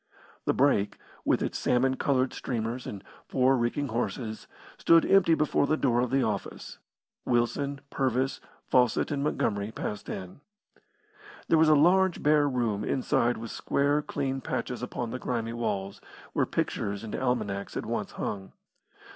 The brake, with its salmon coloured streamers and four reeking horses, stood empty before the door of the office; Wilson, Purvis, Fawcett and Montgomery passed in. There was a large, bare room inside with square, clean patches upon the grimy walls, where pictures and almanacs had once hung.